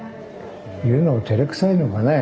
言うのがてれくさいのかね。